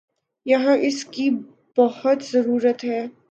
یہاں اس کی بہت ضرورت ہے۔